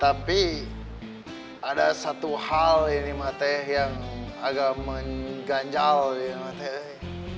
tapi ada satu hal ini mah teh yang agak mengganjal ini mah teh